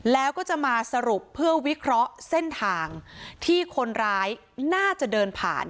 แล้วก็จะมาสรุปเพื่อวิเคราะห์เส้นทางที่คนร้ายน่าจะเดินผ่าน